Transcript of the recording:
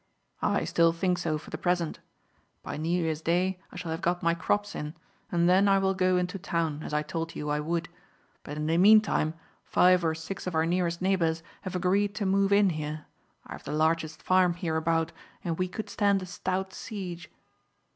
"I still think so for the present. By New Year's Day I shall have got my crops in, and then I will go into town, as I told you I would; but in the meantime five or six of our nearest neighbours have agreed to move in here; I have the largest farm hereabout, and we could stand a stout siege."